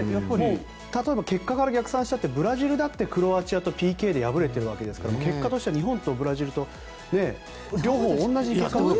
例えば結果から逆算したってブラジルだってクロアチアにＰＫで敗れているわけですから結果は日本とブラジルが両方同じ結果に。